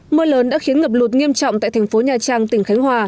mưa lớn đã khiến ngập lụt nghiêm trọng tại thành phố nha trang tỉnh khánh hòa